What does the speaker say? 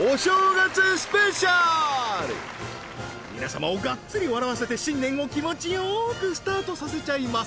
皆様をガッツリ笑わせて新年を気持ちよーくスタートさせちゃいます